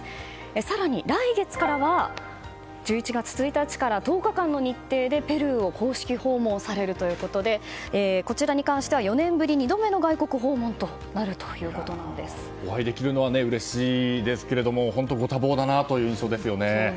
更に来月からは１１月１日から１０日間の日程でペルーを公式訪問されるということでこちらに関しては４年ぶり２度目のお会いできるのはうれしいですが本当にご多忙だなという印象です。